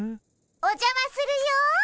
おじゃまするよ。